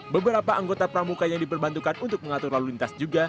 beberapa anggota pramuka yang diperbantukan untuk mengatur lalu lintas juga